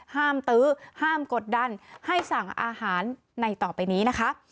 ตื้อห้ามกดดันให้สั่งอาหารในต่อไปนี้นะคะ